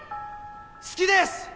好きです！